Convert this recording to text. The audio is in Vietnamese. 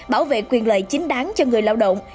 bảo vệ quyền lợi chính đáng cho người lao động